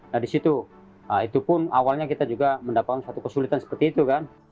nah di situ itu pun awalnya kita juga mendapatkan satu kesulitan seperti itu kan